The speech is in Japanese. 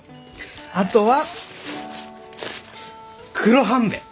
あとは黒はんべ。